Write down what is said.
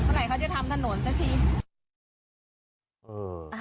เมื่อไหร่เขาจะทำถนนสักที